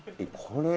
これ。